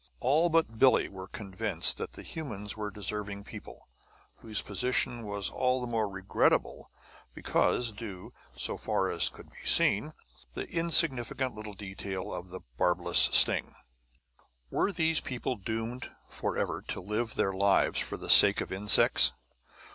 All but Billie were convinced that the humans were deserving people, whose position was all the more regrettable because due, so far as could be seen, the insignificant little detail of the barbless sting. Were these people doomed forever to live their lives for the sake of insects?